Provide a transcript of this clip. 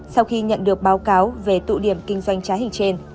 sau khi nhận được báo cáo về tụ điểm kinh doanh trá hình trên